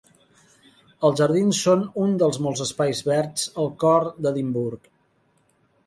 Els jardins són un dels molts espais verds al cor d'Edimburg.